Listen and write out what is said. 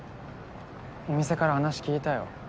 お店から話聞いたよ。